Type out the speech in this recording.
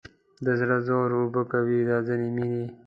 د زړه زور اوبه کوي دا ځینې مینې